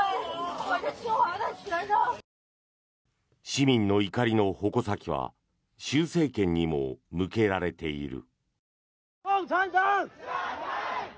市民の怒りの矛先は習政権にも向けられている。